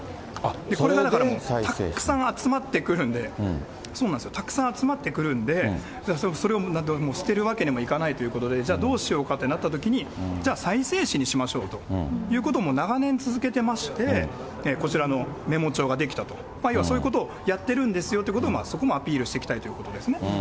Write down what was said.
これがたくさん集まってくるんで、たくさん集まってくるんで、それを捨てるわけにもいかないということで、じゃあどうしようかとなったときに、じゃあ、再生紙にしましょうということで、長年続けてまして、こちらのメモ帳が出来たと、そういうことをやってるんですよということを、そこもアピールしていきたいということですね。